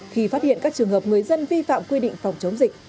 khi phát hiện các trường hợp người dân vi phạm quy định phòng chống dịch